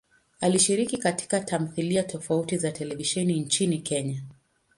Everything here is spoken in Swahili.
Alishiriki katika tamthilia tofauti za televisheni nchini Kenya.